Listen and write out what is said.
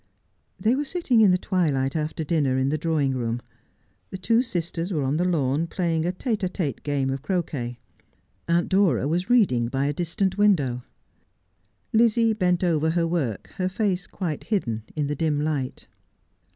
They were sitting in the twilight after dinner in the draw ing room. The two sisters were on the lawn playing a tete d t'Ue game of croquet. Aunt Dora was reading by a distant window. Lizzie bent over her work, her face quite hidden in the dim light.